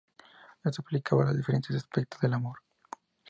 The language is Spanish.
Esto explicaba los diferentes aspectos del amor.